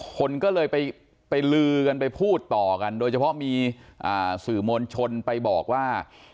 คนก็เลยไปลือกันไปพูดต่อกันโดยเฉพาะมีสื่อมวลชนไปบอกว่า